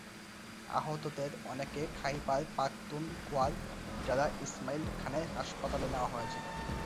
আহতদের অনেককে খাইবার পাখতুনখোয়ার ডেরা ইসমাইল খানের হাসপাতালে নেওয়া হয়েছিল।